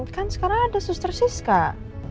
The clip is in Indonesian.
kan sekarang ada suster sis kak